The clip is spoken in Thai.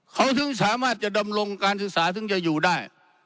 เขาถึงสามารถจะดำรงการศึกษาถึงจะอยู่ได้